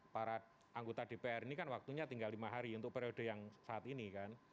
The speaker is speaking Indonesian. para anggota dpr ini kan waktunya tinggal lima hari untuk periode yang saat ini kan